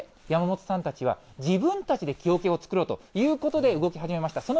そこで山本さんたちは自分たちで木おけを作ろうということで、動き始めました。